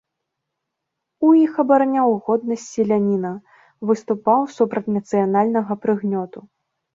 У іх абараняў годнасць селяніна, выступаў супраць нацыянальнага прыгнёту.